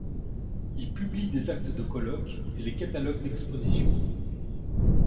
Il publie des actes de colloques et les catalogues d'exposition.